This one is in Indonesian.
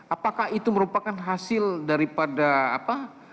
apakah itu merupakan hasil daripada apa